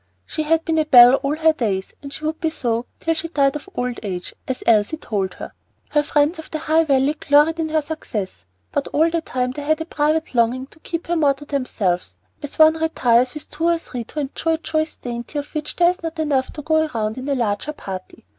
She had been a belle all her days, and she would be so till she died of old age, as Elsie told her. Her friends of the High Valley gloried in her success; but all the time they had a private longing to keep her more to themselves, as one retires with two or three to enjoy a choice dainty of which there is not enough to go round in a larger company.